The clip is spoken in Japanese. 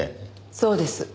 そうです。